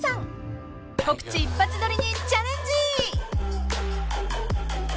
［告知一発撮りにチャレンジ！］